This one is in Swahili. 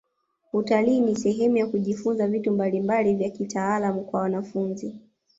utalii ni sehemu ya kujifunza vitu mbalimbali vya kitaaluma kwa wanafunzi